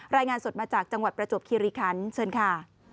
รายงานสดมาจากจังหวัดประจวบคิริคันเชิญค่ะ